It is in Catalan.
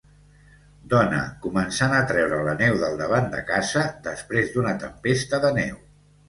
Dona començant a treure la neu del davant de casa després d'una tempesta de neu.